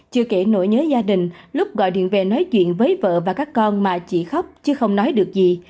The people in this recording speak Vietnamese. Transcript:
chưa kể nỗi nhớ gia đình lúc gọi điện về nói chuyện với vợ và các con mà chị khóc chứ không nói được gì